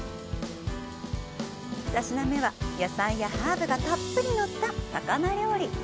２品目は、野菜やハーブがたっぷりのった魚料理。